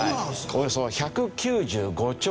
およそ１９５兆円。